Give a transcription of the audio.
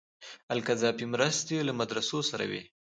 القذافي مرستې له مدرسو سره وې.